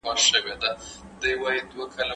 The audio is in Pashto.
ستا فلانی ښه عادت مي خوښ دی.